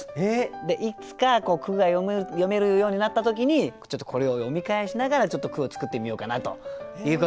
でいつか句が詠めるようになった時にちょっとこれを読み返しながらちょっと句を作ってみようかなということではい。